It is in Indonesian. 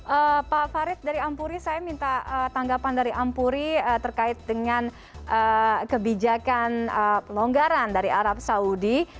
eee pak farid dari ampuri saya minta tanggapan dari ampuri terkait dengan eee kebijakan eee kelonggaran dari arab saudi